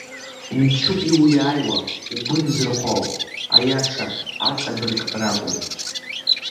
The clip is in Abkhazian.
Мчуп иуиааиуа, угәы нзырхо, аиаша, аҵабырг ракәым.